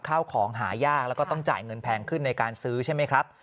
ข้าวของหายากแล้วก็ต้องจ่ายเงินแพงขึ้นในการซื้อใช่ไหมครับ